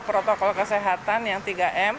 protokol kesehatan yang tiga m